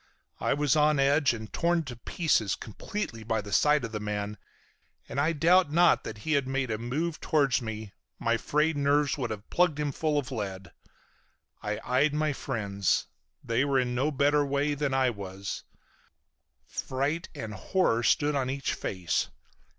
I was on edge and torn to pieces completely by the sight of the man, and I doubt not that had he made a move towards me my frayed nerves would have plugged him full of lead. I eyed my friends. They were in no better way than was I. Fright and horror stood on each face.